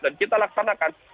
dan kita laksanakan